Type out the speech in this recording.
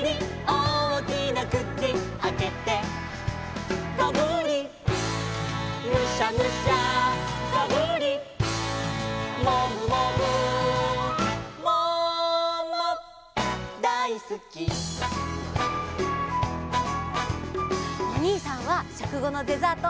「おおきなくちあけて」「ガブリムシャムシャ」「ガブリモグモグ」「ももだいすき」おにいさんはしょくごのデザート